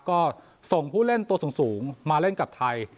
ก็ส่งผู้เล่นตัวสูงมาเล่นกับไทย